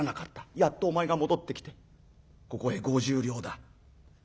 やっとお前が戻ってきてここへ５０両だ。